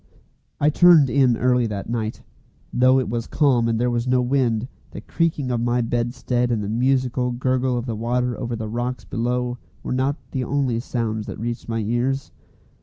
I turned in early that night. Though it was calm and there was no wind, the creaking of my bedstead and the musical gurgle of the water over the rocks below were not the only sounds that reached my ears.